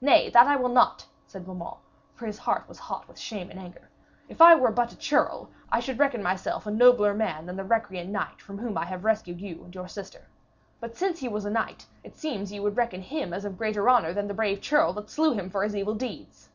'Nay, that I will not!' said Beaumains, for his heart was hot with shame and anger. 'If I were but a churl, I should reckon myself a nobler man than the recreant knight from whom I have rescued you and your sister. But since he was a knight, it seems ye would reckon him as of greater honour than the brave churl that slew him for his evil deeds.'